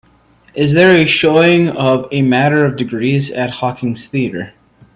Is there a showing of A Matter of Degrees at Harkins Theatres